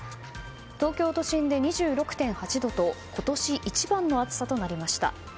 東京都心で２６．８度と今年一番の暑さとなりました。